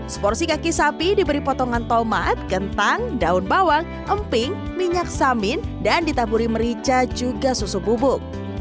seporsi kaki sapi diberi potongan tomat kentang daun bawang emping minyak samin dan ditaburi merica juga susu bubuk